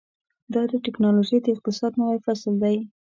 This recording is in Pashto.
دا د ټیکنالوژۍ د اقتصاد نوی فصل دی.